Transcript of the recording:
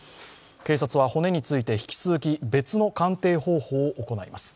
警察は骨について引き続き別の鑑定方法を行います。